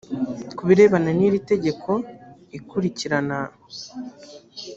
ku birebana n iri tegeko ikurikirana